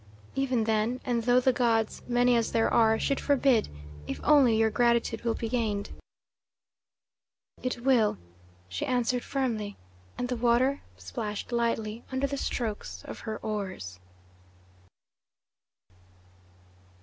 "Even then, and though the gods, many as there are, should forbid if only your gratitude will be gained." "It will," she answered firmly, and the water plashed lightly under the strokes of her oars.